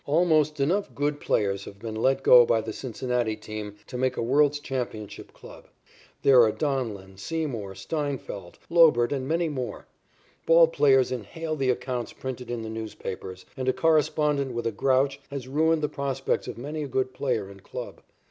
Almost enough good players have been let go by the Cincinnati team to make a world's championship club. There are Donlin, Seymour, Steinfeldt, Lobert and many more. Ball players inhale the accounts printed in the newspapers, and a correspondent with a grouch has ruined the prospects of many a good player and club.